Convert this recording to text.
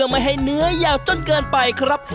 ไม่ให้เนื้อยาวจนเกินไปครับ